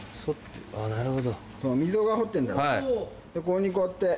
ここにこうやって。